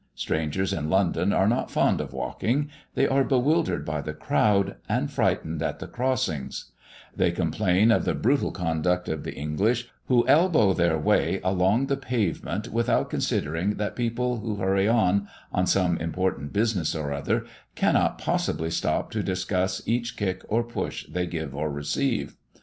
Strangers in London are not fond of walking, they are bewildered by the crowd, and frightened at the crossings; they complain of the brutal conduct of the English, who elbow their way along the pavement without considering that people who hurry on, on some important business or other, cannot possibly stop to discuss each kick or push they give or receive.